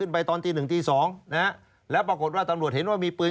ไปตอนตีหนึ่งตีสองนะฮะแล้วปรากฏว่าตำรวจเห็นว่ามีปืน